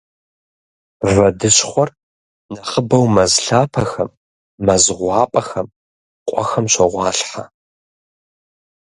Вэдыщхъуэр нэхъыбэу мэз лъапэхэм, мэз гъуапӏэхэм, къуэхэм щогъуалъхьэ.